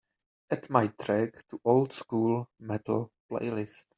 Add my track to old school metal playlist